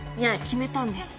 決めたんです。